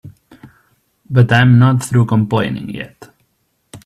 But I'm not through complaining yet.